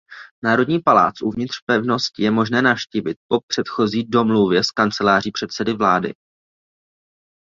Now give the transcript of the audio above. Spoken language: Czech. Národní palác uvnitř pevnosti je možné navštívit po předchozí domluvě s kanceláří předsedy vlády.